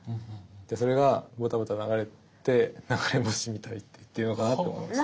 それがボタボタ流れて流れ星みたいって言ってるのかなと思いました。